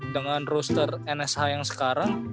dengan roster nsh yang sekarang